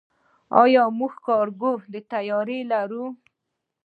آیا موږ کارګو طیارې لرو؟